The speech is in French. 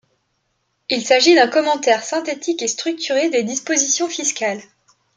Il s'agit d'un commentaire synthétique et structuré des dispositions fiscales.